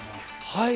はい。